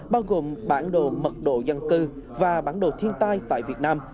bao gồm bản đồ mật độ dân cư và bản đồ thiên tai tại việt nam